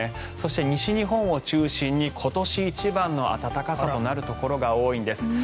そして西日本を中心に今年一番の暖かさとなるところが多いんです。